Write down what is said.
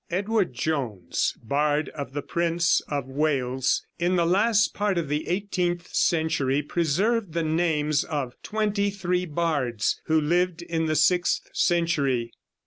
Edward Jones, bard of the Prince of Wales in the last part of the eighteenth century, preserved the names of twenty three bards who lived in the sixth century.